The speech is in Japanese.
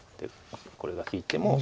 これが引いても。